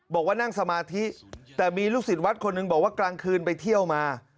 บอกว่านั่งสมาธิแต่มีลูกศิษย์วัดคนหนึ่งบอกว่ากลางคืนไปเที่ยวมา